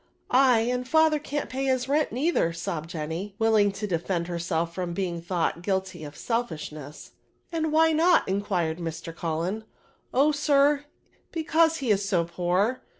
^^ Aj9 and father ean't pay his rent neither, sobbed Jennj, willing to defend herself from being thought guilty of selfish ness* '^ And why not?" inquired Mr. Cullen. '' Oh, sir, because he is so poor.